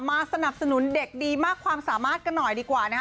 สนับสนุนเด็กดีมากความสามารถกันหน่อยดีกว่านะฮะ